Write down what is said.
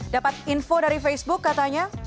dapat info dari facebook katanya